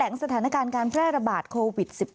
สถานการณ์การแพร่ระบาดโควิด๑๙